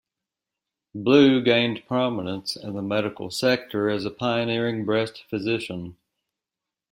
Blue gained prominence in the medical sector as a pioneering breast physician.